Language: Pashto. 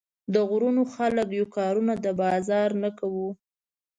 د غرونو خلک يو، کارونه د بازار نۀ کوو